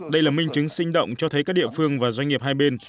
đây là minh chứng sinh động cho thấy các địa phương và doanh nghiệp hai bên